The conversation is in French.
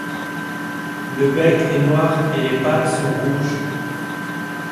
Le bec est noir et les pattes sont rouges.